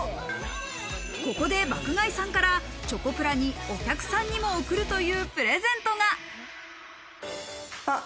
ここで爆買いさんからチョコプラにお客さんにも贈るというプレゼントが。